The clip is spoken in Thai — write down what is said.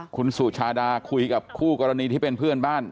คุณสุชาดาคุยกับคู่กรณีที่เป็นเพื่อนบ้าน